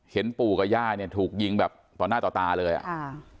เห็นปู่กับย่ายนี่ถูกยิงแบบต่อหน้าต่อตาเลยอะ